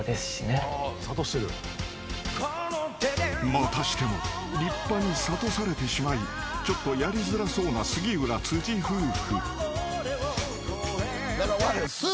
［またしても立派に諭されてしまいちょっとやりづらそうな杉浦辻夫婦］